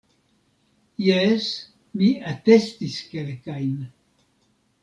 Jes, mi atestis kelkajn.